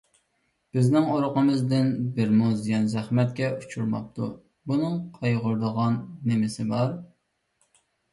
بىزنىڭ ئۇرۇقىمىزدىن بىرىمۇ زىيان - زەخمەتكە ئۇچرىماپتۇ. بۇنىڭ قايغۇرىدىغان نېمىسى بار؟